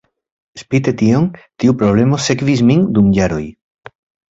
Spite tion, tiu problemo sekvis min dum jaroj.